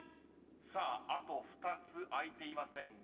［さああと２つ開いていませんが］